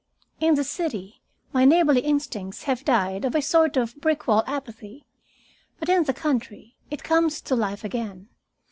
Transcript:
In the city my neighborly instincts have died of a sort of brick wall apathy, but in the country it comes to life again.